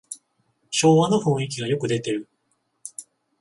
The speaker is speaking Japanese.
昭和の雰囲気がよく出てる